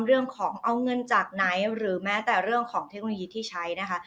เรื่องของเอาเงินจากไหนหรือแม้แต่เรื่องของเทคโนโลยีที่ใช้นะคะ